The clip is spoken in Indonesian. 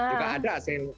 itu kan juga ada